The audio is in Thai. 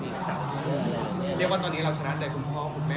เรียกว่าตอนนี้เราชนะใจคุณพ่อคุณแม่